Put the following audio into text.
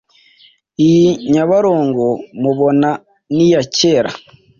Iyi Nyabarongo mubona niyacyera